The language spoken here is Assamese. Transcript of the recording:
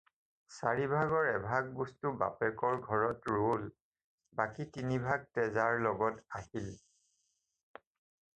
চাৰি ভাগৰ এভাগ বস্তু বাপেকৰ ঘৰত ৰ'ল, বাকী তিনি ভাগ তেজাৰ লগত আহিল।